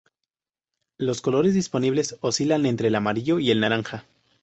Los colores disponibles oscilan entre el amarillo y el naranja.